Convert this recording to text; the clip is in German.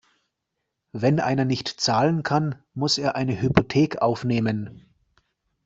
Wenn einer nicht zahlen kann, muss er eine Hypothek aufnehmen.